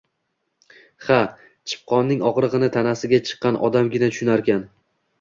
Ha, chipqonning og`rig`ini tanasiga chiqqan odamgina tushunarkan